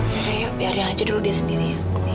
ya udah biar dia aja dulu dia sendiri